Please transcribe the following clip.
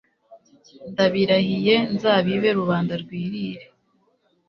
ndabirahiye: nzabibe rubanda rwirire